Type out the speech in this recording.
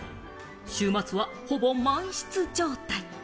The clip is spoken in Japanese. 週末はほぼ満室状態。